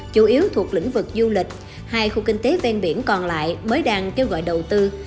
chủ yếu thuộc lĩnh vực du lịch hai khu kinh tế ven biển còn lại mới đang kêu gọi đầu tư